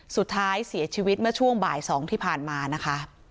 สุดท้ายเสียชีวิตเมื่อช่วงบ่าย๒ที่ผ่านมานะคะ